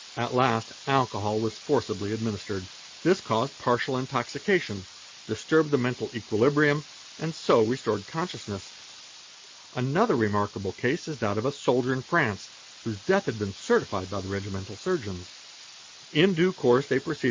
At last alcohol was forcibly administered. 'This caused partial intoxication, disturbed the mental equilibrium, and so restored consciousness. Another remarkable case is that of a soldier in France whose death had been certified by the regimental surgeons.